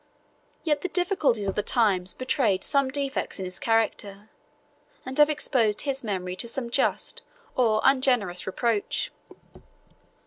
Yet the difficulties of the times betrayed some defects in his character; and have exposed his memory to some just or ungenerous reproach.